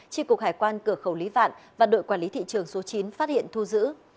tri cục hải quan cửa khẩu lý vạn và đội quản lý thị trường số chín phát hiện thu giữ